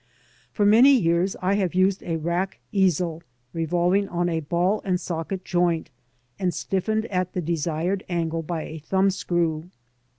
For many years I have used a rack easel, revolving on a ball and socket joint, and stiffened at the desired angle by a thumb screw.